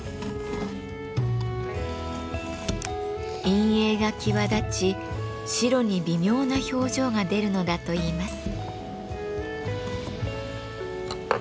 陰影が際立ち白に微妙な表情が出るのだといいます。